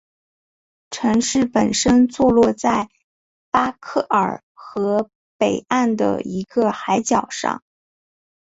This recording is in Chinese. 城市本身坐落在巴克尔河北岸的一个海角上。